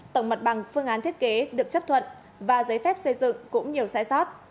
tổng mặt bằng phương án thiết kế được chấp thuận và giấy phép xây dựng cũng nhiều sai sót